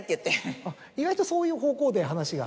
意外とそういう方向で話が。